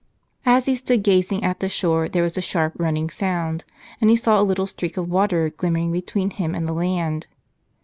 As he stood gazing at the shore there was a sharp, running sound, and he saw a little streak of water glimmering between him and the land.